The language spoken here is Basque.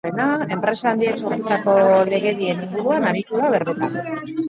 Enpresa handiek sortutako legedien inguruan aritu da berbetan.